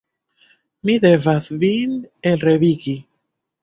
Mi devas vin elrevigi.